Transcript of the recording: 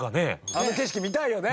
あの景色見たいよね。